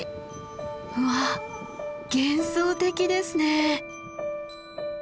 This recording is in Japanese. うわっ幻想的ですね。